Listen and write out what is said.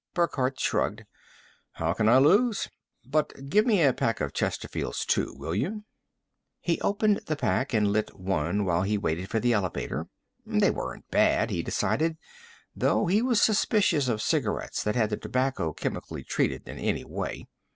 Burckhardt shrugged. "How can I lose? But give me a pack of Chesterfields, too, will you?" He opened the pack and lit one while he waited for the elevator. They weren't bad, he decided, though he was suspicious of cigarettes that had the tobacco chemically treated in any way.